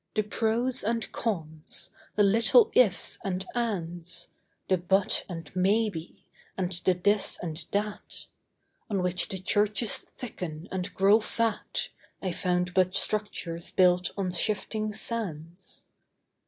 The pros and cons, the little ifs and ands, The but and maybe, and the this and that, On which the churches thicken and grow fat, I found but structures built on shifting sands.